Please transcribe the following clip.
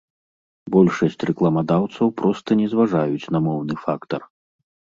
Большасць рэкламадаўцаў проста не зважаюць на моўны фактар.